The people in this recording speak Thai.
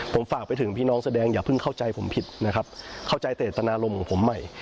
ผมฝากไปถึงพี่น้องเสื้อแดงอย่าเพิ่งเข้าใจผมผิดนะครับ